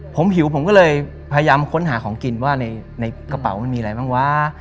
ผมหิวผมก็เลยพยายามค้นหาของกินว่าในกระเป๋ามันมีอะไรบ้างวะ